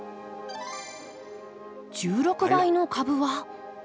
１６倍の株は。